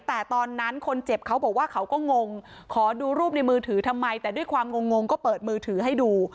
แต่ตอนนั้นคนเจ็บเขาบอกว่าเขาก็งงขอดูรูปในมือถือทำไมแต่ด้วยความงงก็เปิดมือถือให้ดู